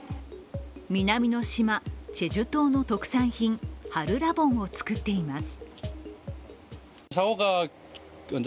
南の島、チェジュ島の特産品、ハルラボンを作っています。